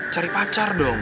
cari pacar dong